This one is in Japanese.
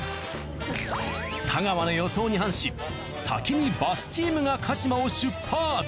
太川の予想に反し先にバスチームが鹿島を出発！